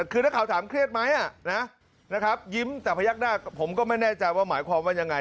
คือนักข่าวถามเครียดไหมนะครับยิ้มแต่พยักหน้าผมก็ไม่แน่ใจว่าหมายความว่ายังไง